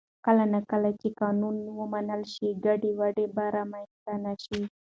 کله نا کله چې قانون ومنل شي، ګډوډي به رامنځته نه شي.